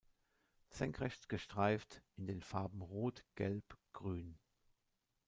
Senkrecht gestreift, in den Farben rot, gelb, grün.